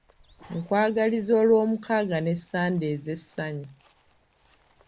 Nkwagaliza olw'omukaaga ne Sande ez'essannyu.